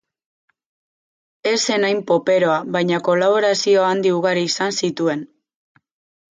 Ez zen hain poperoa baina kolaborazio handi ugari izan zituen.